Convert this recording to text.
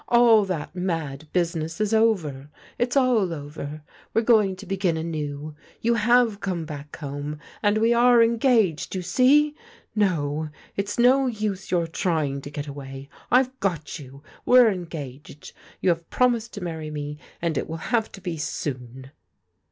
All that mad business is over. It's all over. We're going to begin anew. You have come back home, and we are engaged, you see. No, it's no use your trying to get away! I've got you I We're engaged. You have promised to marry me, and it will have to be soon."